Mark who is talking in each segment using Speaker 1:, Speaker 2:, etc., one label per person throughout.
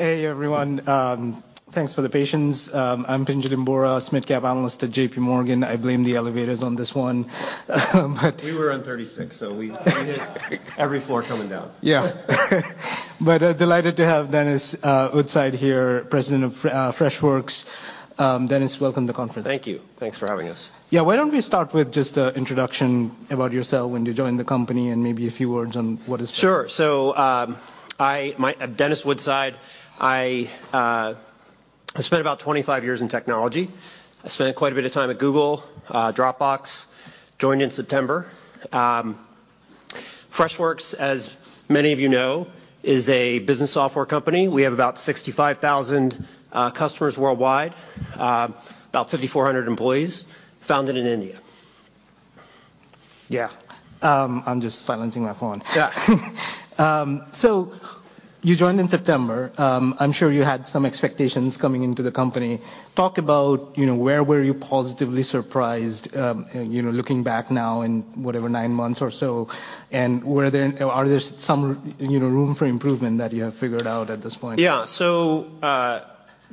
Speaker 1: Hey, everyone. thanks for the patience. I'm Pinjalim Bora, SMID Cap analyst at JPMorgan. I blame the elevators on this one.
Speaker 2: We were on 36, so we hit every floor coming down.
Speaker 1: Yeah. delighted to have Dennis Woodside here, President of Freshworks. Dennis, welcome to the conference.
Speaker 2: Thank you. Thanks for having us.
Speaker 1: Why don't we start with just a introduction about yourself, when you joined the company, and maybe a few words on what is.
Speaker 2: Sure. Dennis Woodside. I spent about 25 years in technology. I spent quite a bit of time at Google, Dropbox. Joined in September. Freshworks, as many of you know, is a business software company. We have about 65,000 customers worldwide, about 5,400 employees, founded in India.
Speaker 1: Yeah. I'm just silencing my phone.
Speaker 2: Yeah.
Speaker 1: You joined in September. I'm sure you had some expectations coming into the company. Talk about, you know, where were you positively surprised, you know, looking back now in whatever 9 months or so, and are there some, you know, room for improvement that you have figured out at this point?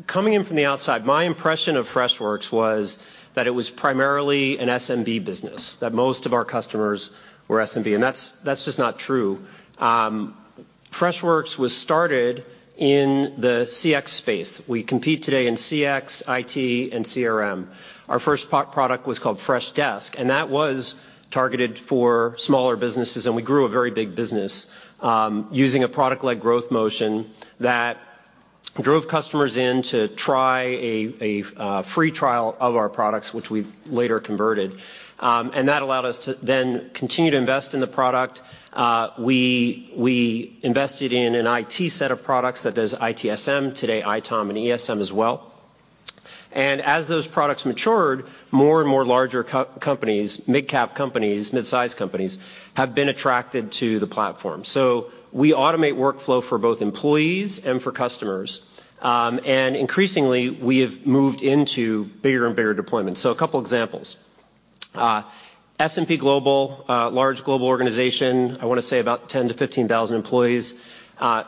Speaker 2: Coming in from the outside, my impression of Freshworks was that it was primarily an SMB business, that most of our customers were SMB, and that's just not true. Freshworks was started in the CX space. We compete today in CX, IT, and CRM. Our first product was called Freshdesk, and that was targeted for smaller businesses, and we grew a very big business using a product-led growth motion that drove customers in to try a free trial of our products, which we later converted. That allowed us to then continue to invest in the product. We invested in an IT set of products that does ITSM, today, ITOM and ESM as well. As those products matured, more and more larger companies, midcap companies, mid-size companies, have been attracted to the platform. We automate workflow for both employees and for customers. Increasingly, we have moved into bigger and bigger deployments. A couple examples. S&P Global, a large global organization, I wanna say about 10,000-15,000 employees,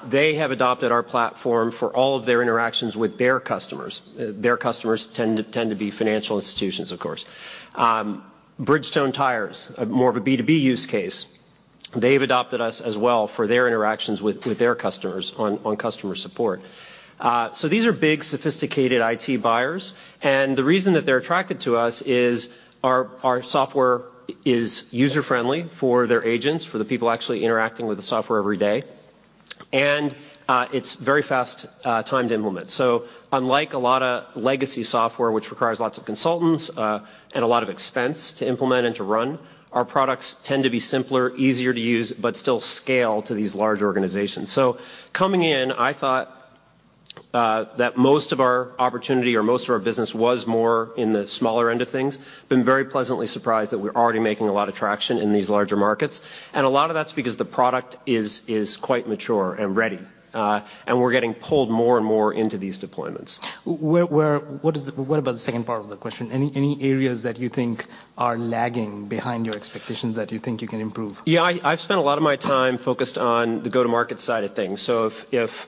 Speaker 2: they have adopted our platform for all of their interactions with their customers. Their customers tend to be financial institutions, of course. Bridgestone Tires, more of a B2B use case, they've adopted us as well for their interactions with their customers on customer support. These are big, sophisticated IT buyers, and the reason that they're attracted to us is our software is user-friendly for their agents, for the people actually interacting with the software every day, and it's very fast time to implement. Unlike a lot of legacy software, which requires lots of consultants, and a lot of expense to implement and to run, our products tend to be simpler, easier to use, but still scale to these large organizations. Coming in, I thought that most of our opportunity or most of our business was more in the smaller end of things. Been very pleasantly surprised that we're already making a lot of traction in these larger markets, and a lot of that's because the product is quite mature and ready, and we're getting pulled more and more into these deployments.
Speaker 1: Where what about the second part of the question? Any areas that you think are lagging behind your expectations that you think you can improve?
Speaker 2: I've spent a lot of my time focused on the go-to-market side of things. If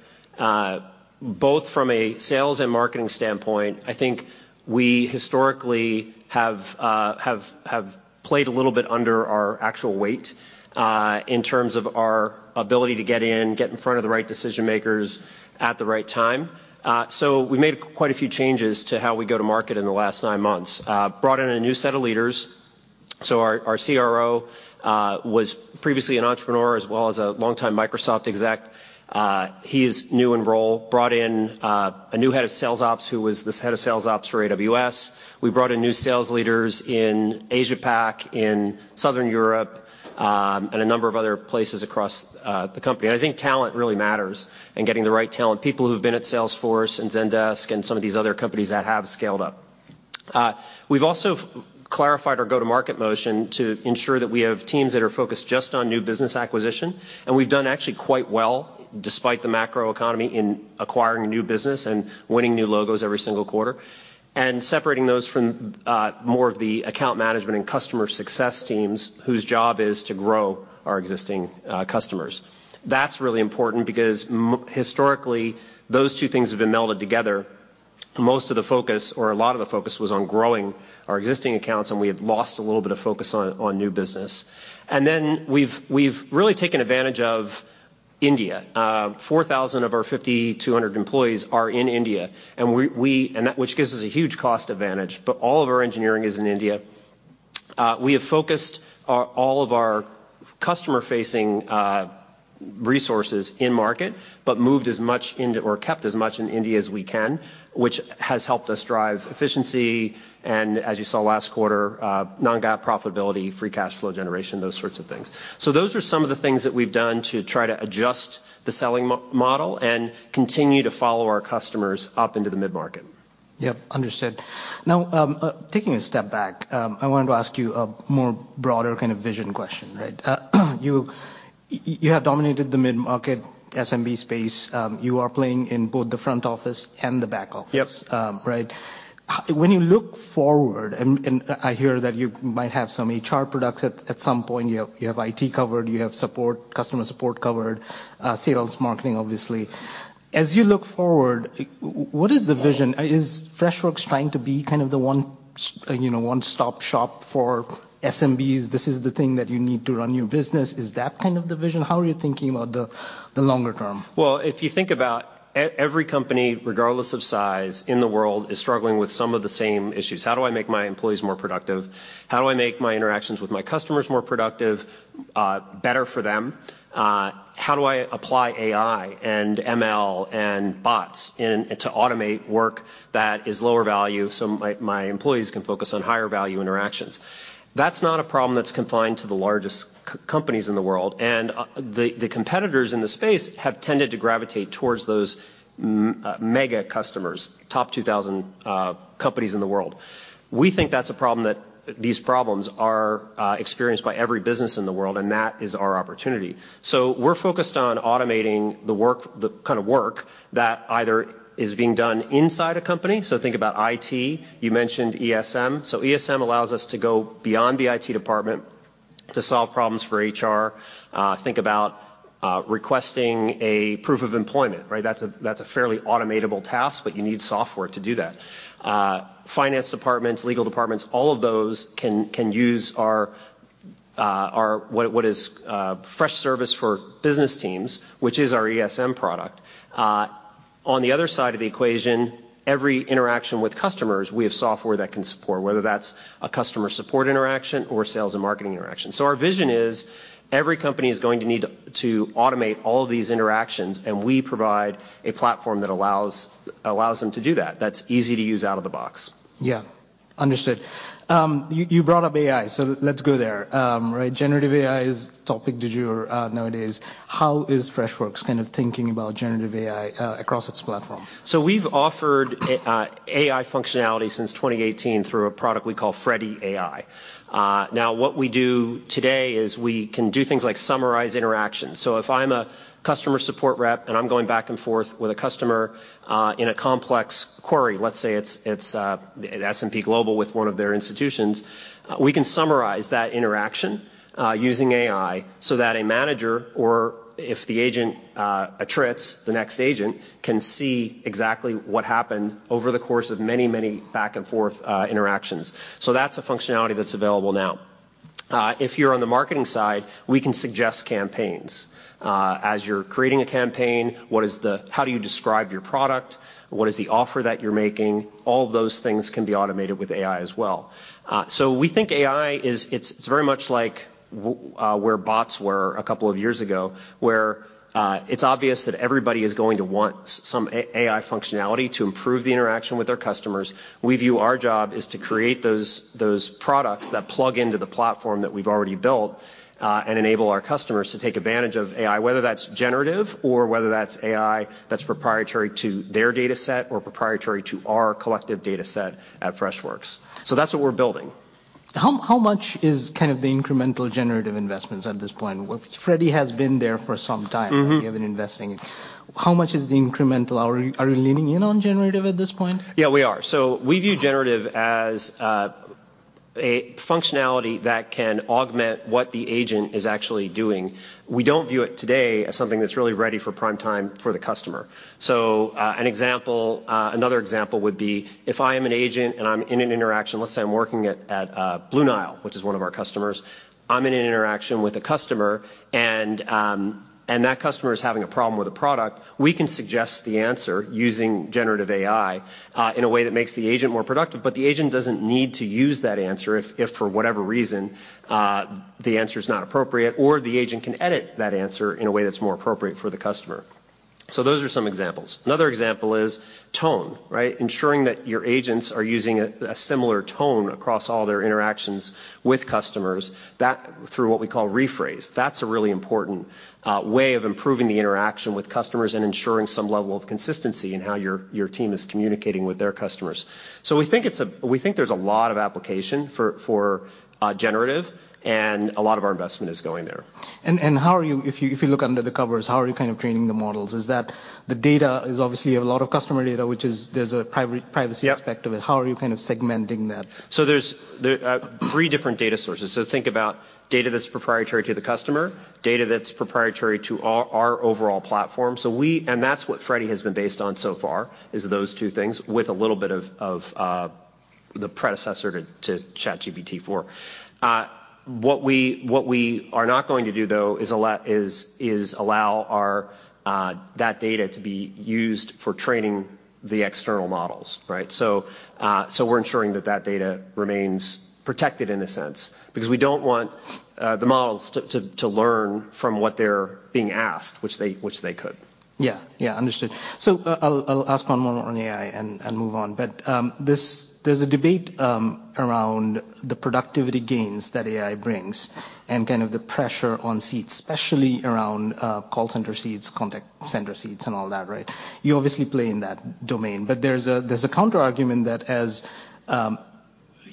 Speaker 2: both from a sales and marketing standpoint, I think we historically have played a little bit under our actual weight in terms of our ability to get in front of the right decision-makers at the right time. We made quite a few changes to how we go to market in the last nine months. Brought in a new set of leaders, our CRO was previously an entrepreneur as well as a longtime Microsoft exec. He's new in role. Brought in a new head of sales ops who was this head of sales ops for AWS. We brought in new sales leaders in Asia Pac, in Southern Europe, and a number of other places across the company. I think talent really matters and getting the right talent, people who've been at Salesforce and Zendesk and some of these other companies that have scaled up. We've also clarified our go-to-market motion to ensure that we have teams that are focused just on new business acquisition, and we've done actually quite well, despite the macroeconomy, in acquiring new business and winning new logos every single quarter. Separating those from more of the account management and customer success teams, whose job is to grow our existing customers. That's really important because historically, those two things have been melded together. Most of the focus or a lot of the focus was on growing our existing accounts, and we had lost a little bit of focus on new business. We've really taken advantage of India. 4,000 of our 5,200 employees are in India, and which gives us a huge cost advantage, but all of our engineering is in India. We have focused all of our customer-facing resources in market, but kept as much in India as we can, which has helped us drive efficiency, and as you saw last quarter, non-GAAP profitability, free cash flow generation, those sorts of things. Those are some of the things that we've done to try to adjust the selling model and continue to follow our customers up into the mid-market.
Speaker 1: Yep, understood. Taking a step back, I wanted to ask you a more broader kind of vision question, right? You have dominated the mid-market SMB space. You are playing in both the front office and the back office.
Speaker 2: Yep.
Speaker 1: Right? When you look forward and I hear that you might have some HR products at some point. You have IT covered, you have support, customer support covered, sales, marketing, obviously. As you look forward, what is the vision? Is Freshworks trying to be kind of the one, you know, one-stop shop for SMBs? This is the thing that you need to run your business. Is that kind of the vision? How are you thinking about the longer term?
Speaker 2: Well, if you think about every company regardless of size in the world is struggling with some of the same issues. How do I make my employees more productive? How do I make my interactions with my customers more productive, better for them? How do I apply AI and ML and bots to automate work that is lower value so my employees can focus on higher value interactions? That's not a problem that's confined to the largest companies in the world, the competitors in the space have tended to gravitate towards those mega customers, top 2,000 companies in the world. We think these problems are experienced by every business in the world, that is our opportunity. We're focused on automating the work, the kind of work that either is being done inside a company, so think about IT. You mentioned ESM. ESM allows us to go beyond the IT department to solve problems for HR. Think about requesting a proof of employment, right? That's a fairly automatable task, but you need software to do that. Finance departments, legal departments, all of those can use our Freshservice for Business Teams, which is our ESM product. On the other side of the equation, every interaction with customers, we have software that can support, whether that's a customer support interaction or sales and marketing interaction. Our vision is every company is going to need to automate all of these interactions, and we provide a platform that allows them to do that's easy to use out of the box.
Speaker 1: Yeah. Understood. You brought up AI. Let's go there. Right, generative AI is topic du jour nowadays. How is Freshworks kind of thinking about generative AI across its platform?
Speaker 2: We've offered AI functionality since 2018 through a product we call Freddy AI. Now what we do today is we can do things like summarize interactions. If I'm a customer support rep and I'm going back and forth with a customer, in a complex query, let's say it's S&P Global with one of their institutions, we can summarize that interaction, using AI so that a manager or if the agent attrits, the next agent can see exactly what happened over the course of many back-and-forth interactions. That's a functionality that's available now. If you're on the marketing side, we can suggest campaigns. As you're creating a campaign, how do you describe your product? What is the offer that you're making? All of those things can be automated with AI as well. We think AI is... it's very much like where bots were a couple of years ago, where it's obvious that everybody is going to want some AI functionality to improve the interaction with their customers. We view our job is to create those products that plug into the platform that we've already built and enable our customers to take advantage of AI, whether that's generative or whether that's AI that's proprietary to their dataset or proprietary to our collective dataset at Freshworks. That's what we're building.
Speaker 1: How much is kind of the incremental generative investments at this point? Well, Freddy has been there for some time-
Speaker 2: Mm-hmm
Speaker 1: right? You have been investing. How much is the incremental? Are you leaning in on generative at this point?
Speaker 2: Yeah, we are. We view generative as a functionality that can augment what the agent is actually doing. We don't view it today as something that's really ready for prime time for the customer. An example, another example would be if I am an agent and I'm in an interaction, let's say I'm working at Blue Nile, which is one of our customers. I'm in an interaction with a customer and that customer is having a problem with a product. We can suggest the answer using generative AI in a way that makes the agent more productive, but the agent doesn't need to use that answer if for whatever reason, the answer is not appropriate, or the agent can edit that answer in a way that's more appropriate for the customer. Those are some examples. Another example is tone, right. Ensuring that your agents are using a similar tone across all their interactions with customers. That, through what we call Rephrase. That's a really important way of improving the interaction with customers and ensuring some level of consistency in how your team is communicating with their customers. We think there's a lot of application for generative, and a lot of our investment is going there.
Speaker 1: If you look under the covers, how are you kind of training the models? Is that the data is obviously you have a lot of customer data, which is there's a privacy-.
Speaker 2: Yeah
Speaker 1: ...aspect of it. How are you kind of segmenting that?
Speaker 2: There's the three different data sources. Think about data that's proprietary to the customer, data that's proprietary to our overall platform. And that's what Freddy has been based on so far, is those two things with a little bit of the predecessor to GPT-4. What we are not going to do though is allow our that data to be used for training the external models, right? We're ensuring that that data remains protected in a sense because we don't want the models to learn from what they're being asked, which they could.
Speaker 1: Yeah. Yeah. Understood. I'll ask one more on AI and move on. this, there's a debate around the productivity gains that AI brings and kind of the pressure on seats, especially around call center seats, contact center seats and all that, right? You obviously play in that domain. there's a, there's a counterargument that as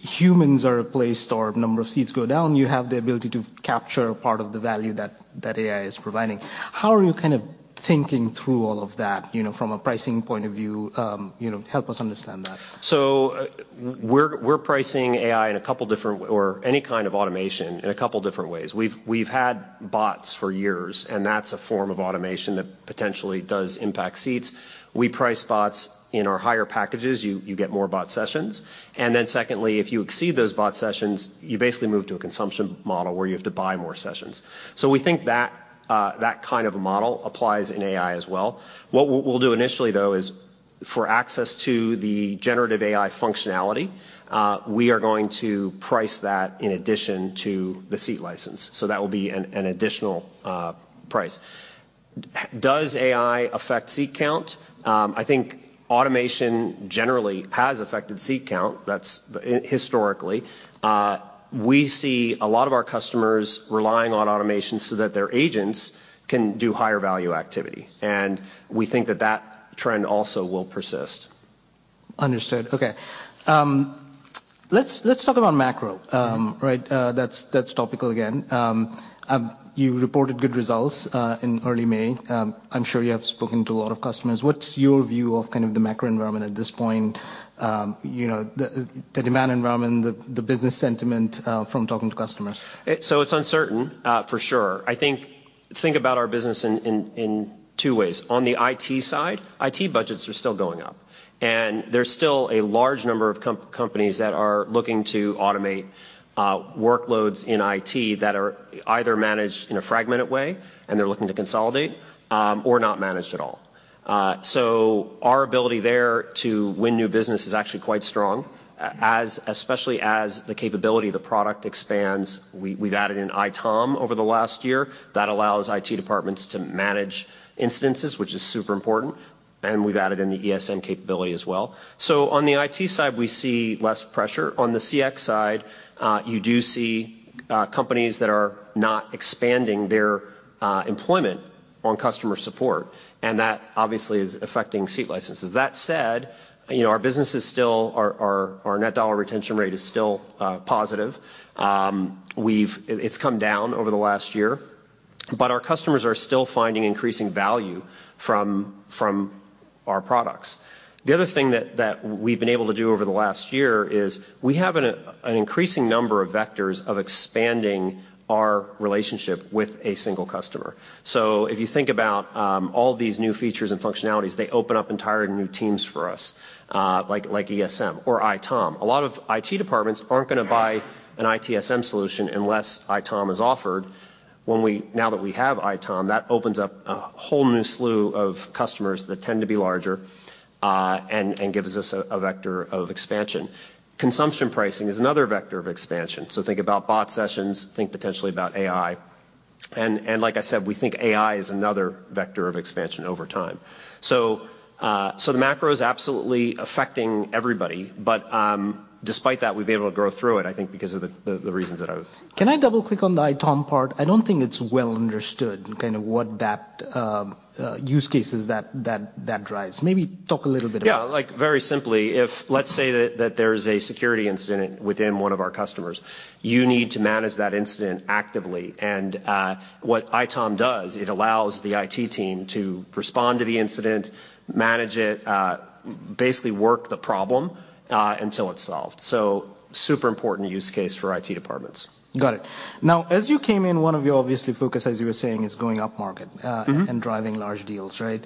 Speaker 1: humans are replaced or number of seats go down, you have the ability to capture part of the value that AI is providing. How are you kind of thinking through all of that, you know, from a pricing point of view? you know, help us understand that.
Speaker 2: We're pricing AI in a couple different or any kind of automation in a couple different ways. We've had bots for years, that's a form of automation that potentially does impact seats. We price bots in our higher packages. You get more bot sessions. Secondly, if you exceed those bot sessions, you basically move to a consumption model where you have to buy more sessions. We think that kind of a model applies in AI as well. What we'll do initially, though, is for access to the generative AI functionality, we are going to price that in addition to the seat license. That will be an additional price. Does AI affect seat count? I think automation generally has affected seat count. That's historically. We see a lot of our customers relying on automation so that their agents can do higher value activity. We think that that trend also will persist.
Speaker 1: Understood. Okay. let's talk about macro.
Speaker 2: Mm-hmm.
Speaker 1: Right? That's topical again. You reported good results in early May. I'm sure you have spoken to a lot of customers. What's your view of kind of the macro environment at this point? You know, the demand environment, the business sentiment from talking to customers?
Speaker 2: It's uncertain for sure. I think about our business in two ways. On the IT side, IT budgets are still going up, and there's still a large number of companies that are looking to automate workloads in IT that are either managed in a fragmented way, and they're looking to consolidate, or not managed at all. Our ability there to win new business is actually quite strong, especially as the capability of the product expands. We've added in ITOM over the last year. That allows IT departments to manage instances, which is super important, and we've added in the ESM capability as well. On the IT side, we see less pressure. On the CX side, you do see companies that are not expanding their employment on customer support, and that obviously is affecting seat licenses. That said, you know, our business is still. Our net dollar retention rate is still positive. It's come down over the last year, but our customers are still finding increasing value from our products. The other thing that we've been able to do over the last year is we have an increasing number of vectors of expanding our relationship with a single customer. If you think about all these new features and functionalities, they open up entire new teams for us, like ESM or ITOM. A lot of IT departments aren't gonna buy an ITSM solution unless ITOM is offered. Now that we have ITOM, that opens up a whole new slew of customers that tend to be larger, and gives us a vector of expansion. Consumption pricing is another vector of expansion, so think about bot sessions, think potentially about AI, and like I said, we think AI is another vector of expansion over time. The macro is absolutely affecting everybody. Despite that, we've been able to grow through it, I think because of the reasons that I've.
Speaker 1: Can I double-click on the ITOM part? I don't think it's well understood kind of what that use cases that drives. Maybe talk a little bit about.
Speaker 2: Yeah. Like very simply, if let's say that there's a security incident within one of our customers, you need to manage that incident actively. What ITOM does, it allows the IT team to respond to the incident, manage it, basically work the problem until it's solved. Super important use case for IT departments.
Speaker 1: Got it. Now, as you came in, one of your obviously focus, as you were saying, is going up market.
Speaker 2: Mm-hmm
Speaker 1: Driving large deals, right?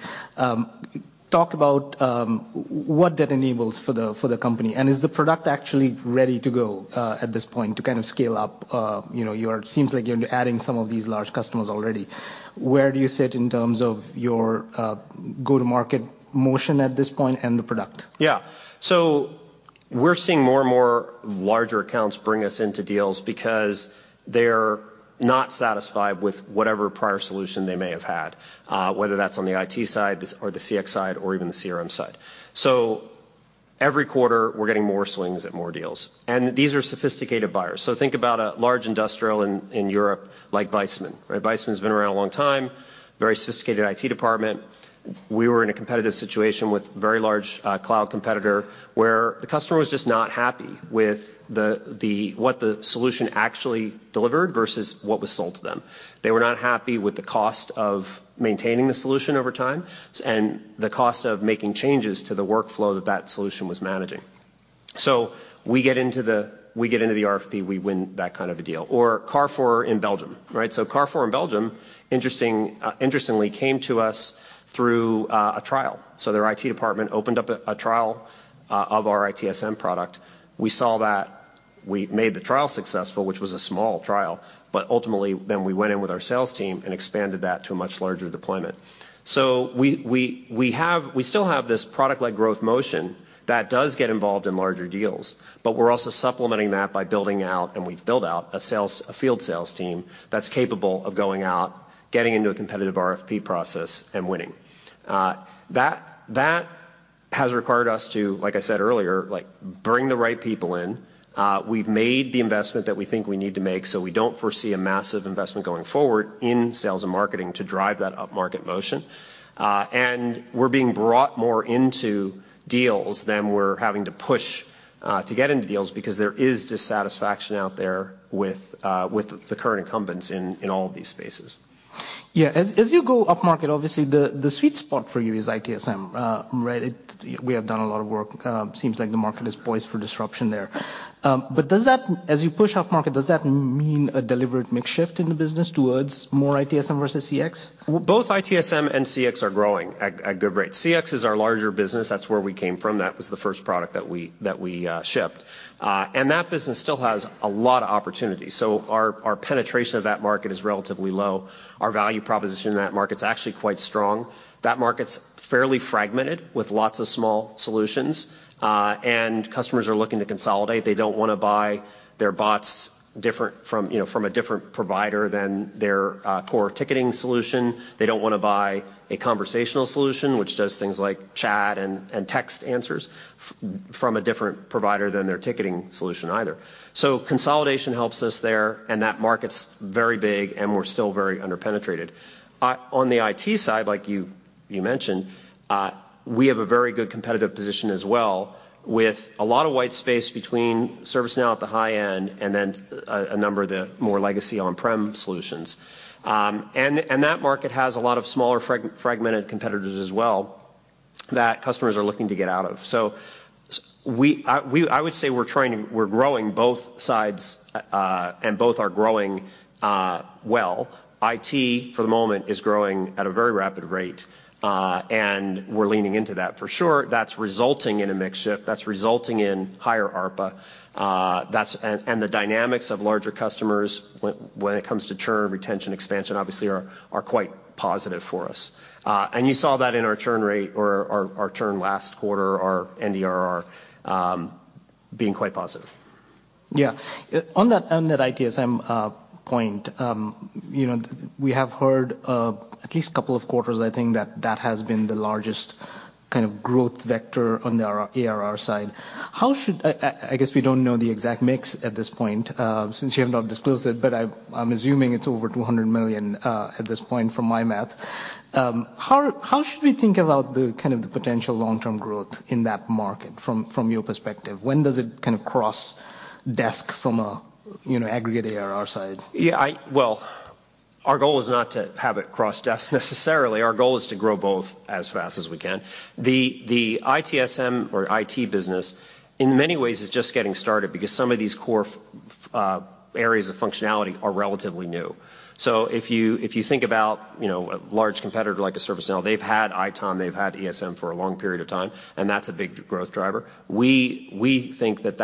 Speaker 1: Talk about what that enables for the company, and is the product actually ready to go at this point to kind of scale up? You know, seems like you're adding some of these large customers already. Where do you sit in terms of your go-to-market motion at this point and the product?
Speaker 2: Yeah. We're seeing more and more larger accounts bring us into deals because they're not satisfied with whatever prior solution they may have had, whether that's on the IT side, or the CX side, or even the CRM side. Every quarter, we're getting more swings at more deals, and these are sophisticated buyers. Think about a large industrial in Europe like Viessmann, right? Viessmann's been around a long time, very sophisticated IT department. We were in a competitive situation with very large cloud competitor where the customer was just not happy with what the solution actually delivered versus what was sold to them. They were not happy with the cost of maintaining the solution over time and the cost of making changes to the workflow that that solution was managing. We get into the RFP, we win that kind of a deal. Carrefour in Belgium, right? Carrefour in Belgium, interesting, interestingly, came to us through a trial. Their IT department opened up a trial of our ITSM product. We saw that. We made the trial successful, which was a small trial. Ultimately, then we went in with our sales team and expanded that to a much larger deployment. We have, we still have this product-led growth motion that does get involved in larger deals, but we're also supplementing that by building out, and we've built out a sales, a field sales team that's capable of going out, getting into a competitive RFP process, and winning. That has required us to, like I said earlier, like bring the right people in. We've made the investment that we think we need to make, so we don't foresee a massive investment going forward in sales and marketing to drive that up-market motion. We're being brought more into deals than we're having to push to get into deals because there is dissatisfaction out there with the current incumbents in all of these spaces.
Speaker 1: Yeah. As you go upmarket, obviously the sweet spot for you is ITSM, right? We have done a lot of work. As you push upmarket, does that mean a deliberate mix shift in the business towards more ITSM versus CX?
Speaker 2: Well, both ITSM and CX are growing at good rates. CX is our larger business. That's where we came from. That was the first product that we shipped. That business still has a lot of opportunity. Our penetration of that market is relatively low. Our value proposition in that market's actually quite strong. That market's fairly fragmented with lots of small solutions, customers are looking to consolidate. They don't wanna buy their bots different from, you know, from a different provider than their core ticketing solution. They don't wanna buy a conversational solution, which does things like chat and text answers from a different provider than their ticketing solution either. Consolidation helps us there, and that market's very big, and we're still very under-penetrated. On the IT side, like you mentioned, we have a very good competitive position as well with a lot of white space between ServiceNow at the high end and then a number of the more legacy on-prem solutions. That market has a lot of smaller fragmented competitors as well that customers are looking to get out of. I would say we're growing both sides, and both are growing well. IT, for the moment, is growing at a very rapid rate, and we're leaning into that for sure. That's resulting in a mix shift. That's resulting in higher ARPA. The dynamics of larger customers when it comes to churn, retention, expansion, obviously are quite positive for us. You saw that in our churn rate or our churn last quarter, our NDRR being quite positive.
Speaker 1: On that, on that ITSM point, you know, we have heard at least couple of quarters I think that that has been the largest kind of growth vector on the ARR side. I guess we don't know the exact mix at this point since you have not disclosed it, but I'm assuming it's over $200 million at this point from my math. How should we think about the kind of the potential long-term growth in that market from your perspective? When does it kind of cross desk from a, you know, aggregate ARR side?
Speaker 2: Well, our goal is not to have it cross desks necessarily. Our goal is to grow both as fast as we can. The ITSM or IT business in many ways is just getting started because some of these core areas of functionality are relatively new. If you think about, you know, a large competitor like a ServiceNow, they've had ITOM, they've had ESM for a long period of time, and that's a big growth driver. We think that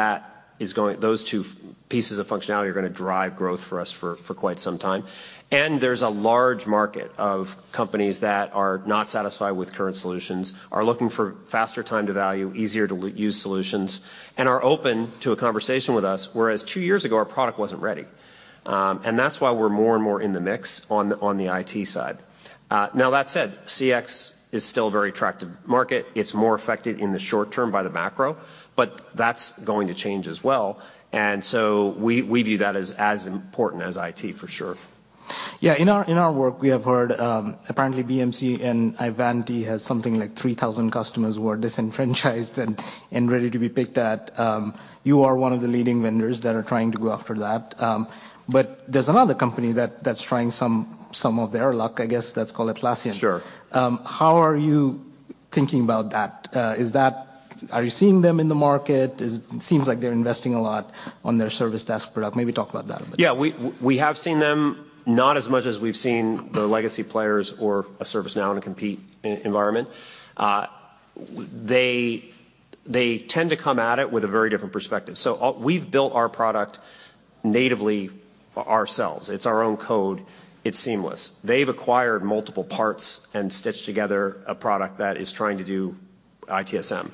Speaker 2: those two pieces of functionality are gonna drive growth for us for quite some time. There's a large market of companies that are not satisfied with current solutions, are looking for faster time to value, easier to use solutions, and are open to a conversation with us, whereas 2 years ago our product wasn't ready. That's why we're more and more in the mix on the IT side. Now that said, CX is still a very attractive market. It's more affected in the short term by the macro, but that's going to change as well. We, we view that as important as IT for sure.
Speaker 1: Yeah. In our work we have heard, apparently BMC and Ivanti has something like 3,000 customers who are disenfranchised and ready to be picked at. You are one of the leading vendors that are trying to go after that. There's another company that's trying some of their luck, I guess. That's called Atlassian.
Speaker 2: Sure.
Speaker 1: How are you thinking about that? Are you seeing them in the market? It seems like they're investing a lot on their service desk product. Maybe talk about that a bit.
Speaker 2: Yeah. We have seen them, not as much as we've seen the legacy players or a ServiceNow in a compete environment. They tend to come at it with a very different perspective. We've built our product natively ourselves. It's our own code. It's seamless. They've acquired multiple parts and stitched together a product that is trying to do ITSM.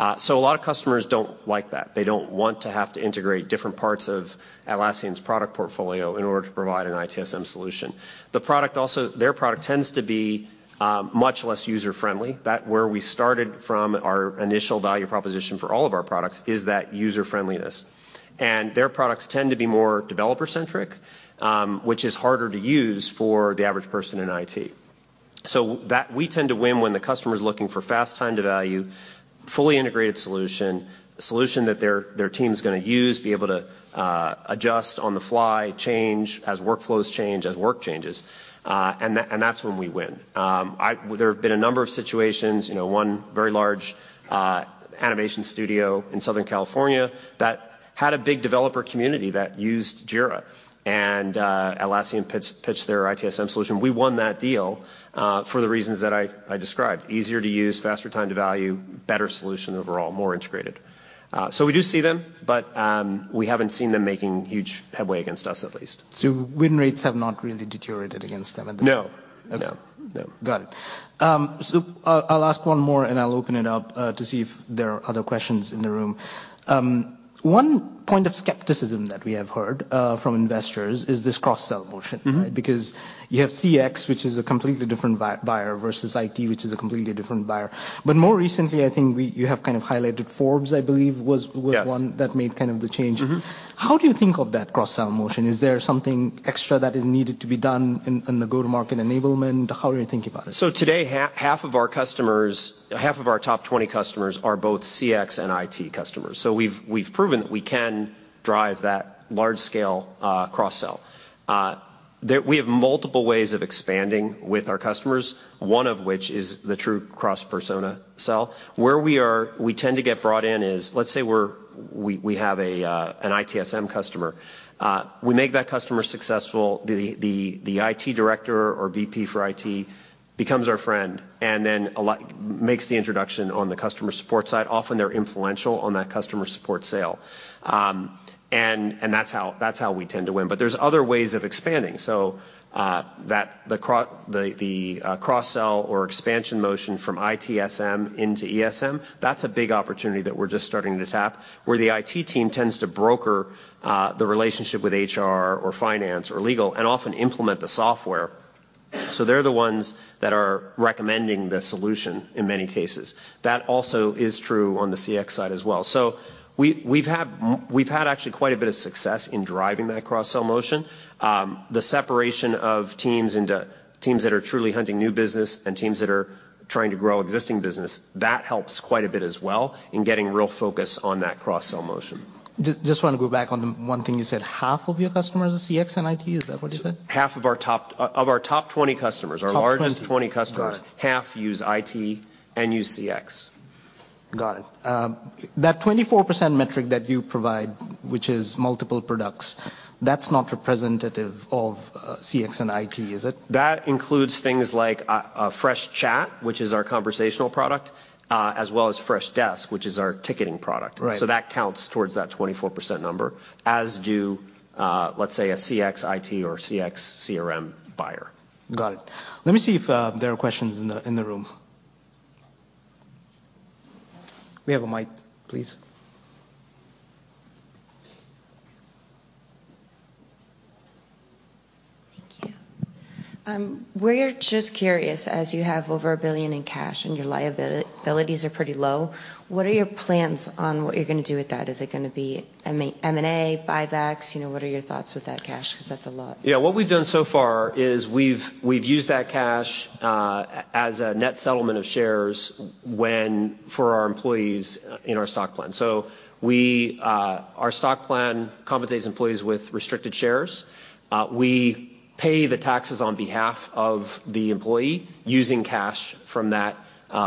Speaker 2: A lot of customers don't like that. They don't want to have to integrate different parts of Atlassian's product portfolio in order to provide an ITSM solution. Their product tends to be much less user-friendly. That where we started from our initial value proposition for all of our products is that user-friendliness. Their products tend to be more developer-centric, which is harder to use for the average person in IT. We tend to win when the customer's looking for fast time to value, fully integrated solution, a solution that their team's gonna use, be able to adjust on the fly, change as workflows change, as work changes, and that's when we win. There have been a number of situations, you know, one very large animation studio in Southern California that had a big developer community that used Jira. Atlassian pitched their ITSM solution. We won that deal for the reasons that I described: easier to use, faster time to value, better solution overall, more integrated. We do see them, but we haven't seen them making huge headway against us at least.
Speaker 1: Win rates have not really deteriorated against them.
Speaker 2: No.
Speaker 1: Okay.
Speaker 2: No. No.
Speaker 1: Got it. I'll ask one more, and I'll open it up to see if there are other questions in the room. One point of skepticism that we have heard from investors is this cross-sell motion.
Speaker 2: Mm-hmm.
Speaker 1: Right? Because you have CX, which is a completely different buyer, versus IT, which is a completely different buyer. More recently, I think you have kind of highlighted Forbes, I believe.
Speaker 2: Yes.
Speaker 1: was one that made kind of the change.
Speaker 2: Mm-hmm.
Speaker 1: How do you think of that cross-sell motion? Is there something extra that is needed to be done in the go-to-market enablement? How are you thinking about it?
Speaker 2: today, half of our customers, half of our top 20 customers are both CX and IT customers. we've proven that we can drive that large scale cross-sell. There we have multiple ways of expanding with our customers, one of which is the true cross-persona sell. Where we are, we tend to get brought in is, let's say we have an ITSM customer. we make that customer successful. The IT director or VP for IT becomes our friend and then a lot makes the introduction on the customer support side. Often they're influential on that customer support sale. that's how we tend to win. there's other ways of expanding. The, the cross-sell or expansion motion from ITSM into ESM, that's a big opportunity that we're just starting to tap, where the IT team tends to broker the relationship with HR or finance or legal and often implement the software. They're the ones that are recommending the solution in many cases. That also is true on the CX side as well. We've had actually quite a bit of success in driving that cross-sell motion. The separation of teams into teams that are truly hunting new business and teams that are trying to grow existing business, that helps quite a bit as well in getting real focus on that cross-sell motion.
Speaker 1: Just wanna go back on the one thing you said, half of your customers are CX and IT. Is that what you said?
Speaker 2: Half of our top, of our top 20 customers-
Speaker 1: Top 20.
Speaker 2: Our largest 20 customers.
Speaker 1: Got it.
Speaker 2: half use IT and use CX.
Speaker 1: Got it. That 24% metric that you provide, which is multiple products, that's not representative of CX and IT, is it?
Speaker 2: That includes things like a Freshchat, which is our conversational product, as well as Freshdesk, which is our ticketing product.
Speaker 1: Right.
Speaker 2: That counts towards that 24% number, as do, let's say a CX, IT, or CX CRM buyer.
Speaker 1: Got it. Let me see if there are questions in the room. Can we have a mic, please?
Speaker 3: Thank you. We're just curious, as you have over $1 billion in cash and your abilities are pretty low, what are your plans on what you're gonna do with that? Is it gonna be M&A, buybacks? You know, what are your thoughts with that cash? 'Cause that's a lot.
Speaker 2: Yeah. What we've done so far is we've used that cash as a net settlement of shares for our employees in our stock plan. Our stock plan compensates employees with restricted shares. We pay the taxes on behalf of the employee using cash from that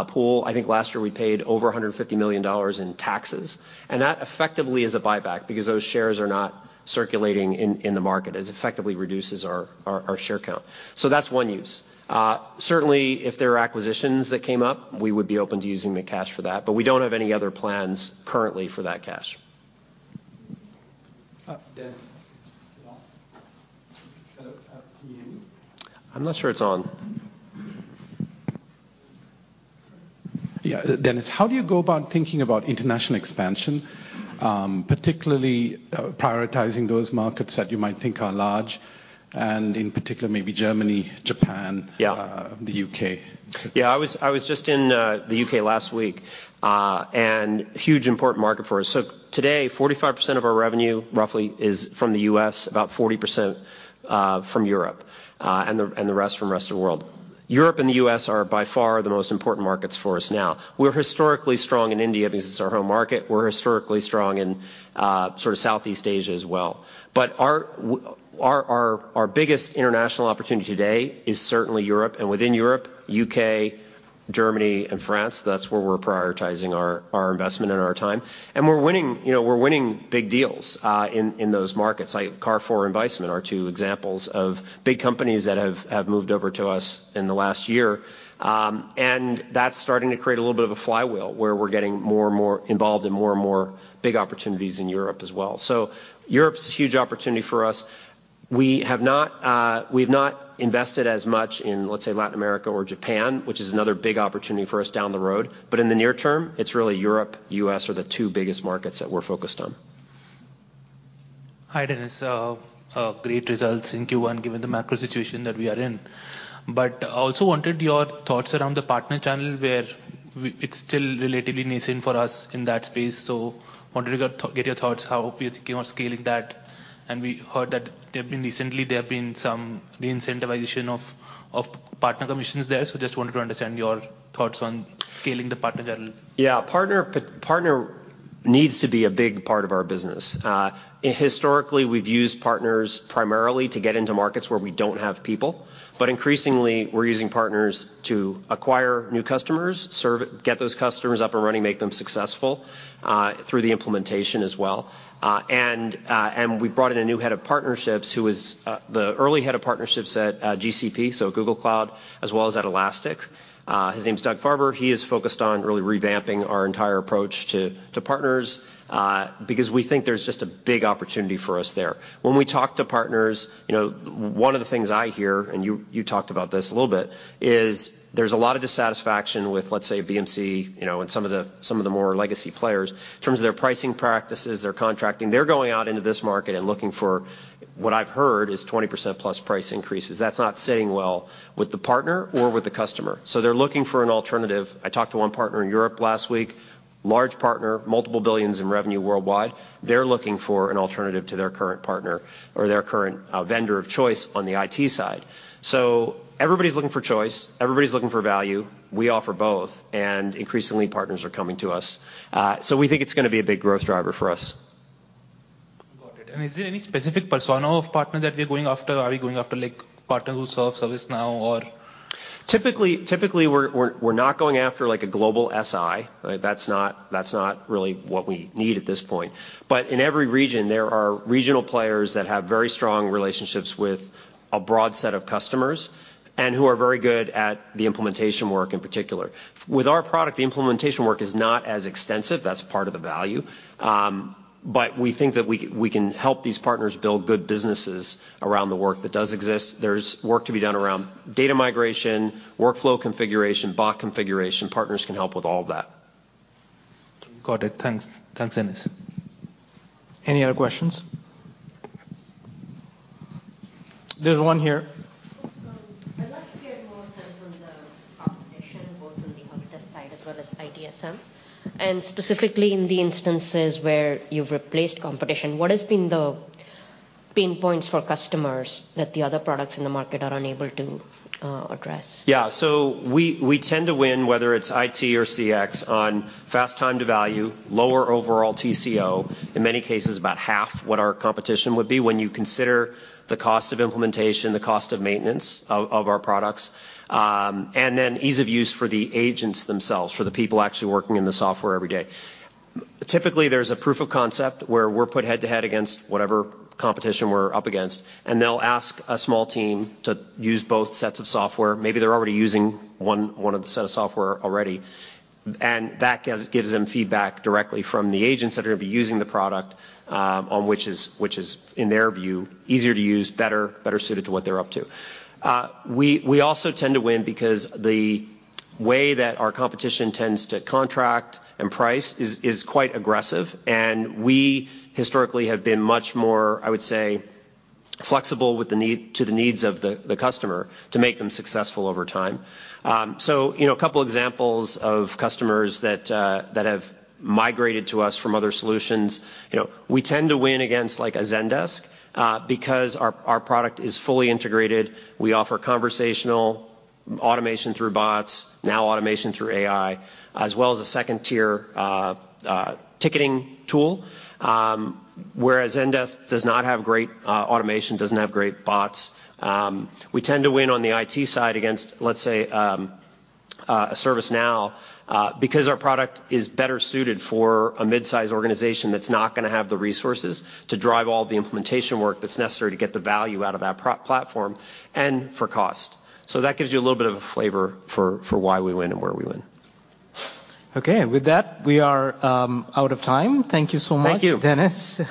Speaker 2: pool. I think last year we paid over $150 million in taxes, and that effectively is a buyback because those shares are not circulating in the market. It effectively reduces our share count. That's one use. Certainly if there are acquisitions that came up, we would be open to using the cash for that, but we don't have any other plans currently for that cash.
Speaker 3: Dennis. Is it on? Can you hear me?
Speaker 2: I'm not sure it's on.
Speaker 3: Yeah. Dennis, how do you go about thinking about international expansion, particularly, prioritizing those markets that you might think are large, and in particular, maybe Germany, Japan...
Speaker 2: Yeah...
Speaker 3: the U.K.?
Speaker 2: I was just in the U.K. last week, and huge important market for us. Today, 45% of our revenue roughly is from the U.S., about 40% from Europe, and the rest from rest of the world. Europe and the U.S. are by far the most important markets for us now. We're historically strong in India because it's our home market. We're historically strong in sort of Southeast Asia as well. Our biggest international opportunity today is certainly Europe, and within Europe, U.K., Germany, and France. That's where we're prioritizing our investment and our time, and we're winning. You know, we're winning big deals in those markets. Like Carrefour and Viessmann are two examples of big companies that have moved over to us in the last year. That's starting to create a little bit of a flywheel where we're getting more and more involved in more and more big opportunities in Europe as well. Europe's a huge opportunity for us. We have not, we've not invested as much in, let's say, Latin America or Japan, which is another big opportunity for us down the road. In the near term, it's really Europe, U.S. are the two biggest markets that we're focused on.
Speaker 3: Hi, Dennis. Great results in Q1 given the macro situation that we are in. Also wanted your thoughts around the partner channel where it's still relatively nascent for us in that space. Wanted to get your thoughts how you're thinking on scaling that. We heard that recently there have been some re-incentivization of partner commissions there. Just wanted to understand your thoughts on scaling the partner channel.
Speaker 2: Yeah. Partner needs to be a big part of our business. Historically, we've used partners primarily to get into markets where we don't have people, but increasingly we're using partners to acquire new customers, serve, get those customers up and running, make them successful through the implementation as well. We brought in a new head of partnerships who was the early head of partnerships at GCP, so Google Cloud, as well as at Elastic. His name's Doug Farber. He is focused on really revamping our entire approach to partners because we think there's just a big opportunity for us there. When we talk to partners, you know, one of the things I hear, and you talked about this a little bit, is there's a lot of dissatisfaction with, let's say, BMC, you know, and some of the more legacy players in terms of their pricing practices, their contracting. They're going out into this market and looking for, what I've heard, is 20% plus price increases. That's not sitting well with the partner or with the customer. They're looking for an alternative. I talked to one partner in Europe last week, large partner, multiple billions in revenue worldwide. They're looking for an alternative to their current partner or their current vendor of choice on the IT side. Everybody's looking for choice. Everybody's looking for value. We offer both. Increasingly partners are coming to us. We think it's gonna be a big growth driver for us.
Speaker 3: Is there any specific persona of partners that we are going after? Are we going after like partners who serve ServiceNow or?
Speaker 2: Typically we're not going after like a global SI. That's not, that's not really what we need at this point. In every region, there are regional players that have very strong relationships with a broad set of customers and who are very good at the implementation work in particular. With our product, the implementation work is not as extensive. That's part of the value. We think that we can help these partners build good businesses around the work that does exist. There's work to be done around data migration, workflow configuration, bot configuration. Partners can help with all of that.
Speaker 3: Got it. Thanks. Thanks, Dennis.
Speaker 1: Any other questions? There's one here.
Speaker 3: I'd like to get more sense on the competition, both on the contact side as well as ITSM, and specifically in the instances where you've replaced competition, what has been the pain points for customers that the other products in the market are unable to address?
Speaker 2: We tend to win, whether it's IT or CX, on fast time to value, lower overall TCO, in many cases about half what our competition would be when you consider the cost of implementation, the cost of maintenance of our products, and then ease of use for the agents themselves, for the people actually working in the software every day. Typically, there's a proof of concept where we're put head-to-head against whatever competition we're up against, and they'll ask a small team to use both sets of software. Maybe they're already using one of the sets of software already, and that gives them feedback directly from the agents that are gonna be using the product, on which is in their view, easier to use, better suited to what they're up to. We also tend to win because the way that our competition tends to contract and price is quite aggressive, and we historically have been much more, I would say, flexible with to the needs of the customer to make them successful over time. You know, a couple examples of customers that have migrated to us from other solutions. You know, we tend to win against like a Zendesk because our product is fully integrated. We offer conversational automation through bots, now automation through AI, as well as a second-tier ticketing tool. Whereas Zendesk does not have great automation, doesn't have great bots. We tend to win on the IT side against, let's say, a ServiceNow, because our product is better suited for a mid-size organization that's not gonna have the resources to drive all the implementation work that's necessary to get the value out of that platform and for cost. That gives you a little bit of a flavor for why we win and where we win.
Speaker 1: Okay. With that, we are out of time. Thank you so much.
Speaker 2: Thank you.
Speaker 1: Dennis.